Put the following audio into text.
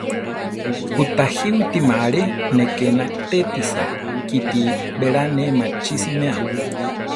Kutajíwitima aré ne ké natétisa; kíti beláni machí siméa.